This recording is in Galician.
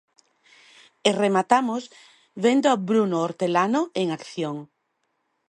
E rematamos vendo a Bruno Hortelano en acción.